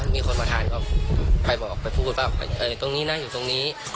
มีคนมาทานก็ไปบอกไปพูดว่าตรงนี้นะอยู่ตรงนี้